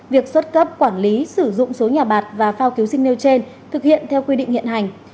việc xuất cấp quản lý sử dụng số nhà bạc và phao cứu sinh nêu trên thực hiện theo quy định hiện hành